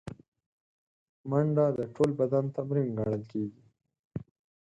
منډه د ټول بدن تمرین ګڼل کېږي